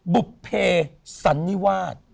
บุภเพสันนิวาส